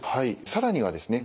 更にはですね